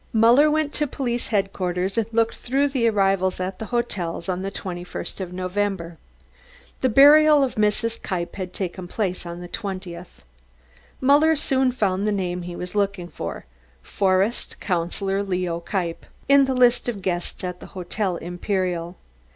Muller went to police headquarters and looked through the arrivals at the hotels on the 21st of November. The burial of Mrs. Kniepp had taken place on the 20th. Muller soon found the name he was looking for, "Forest Councillor Leo Kniepp," in the list of guests at the Hotel Imperial.